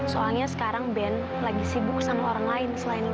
soalnya sekarang band lagi sibuk sama orang lain selain